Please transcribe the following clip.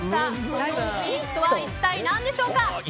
そのスイーツとは何でしょうか。